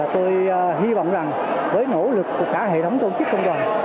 tôi hy vọng rằng với nỗ lực của cả hệ thống công chức công đoàn